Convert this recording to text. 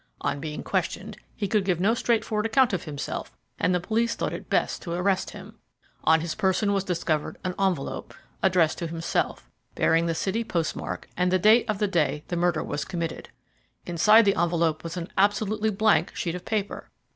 On being questioned he could give no straightforward account of himself, and the police thought it best to arrest him. On his person was discovered an envelope, addressed to himself, bearing the City post mark and the date of the day the murder was committed. Inside the envelope was an absolutely blank sheet of paper.